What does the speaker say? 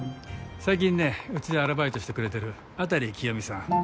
最近ねうちでアルバイトしてくれてる辺清美さん。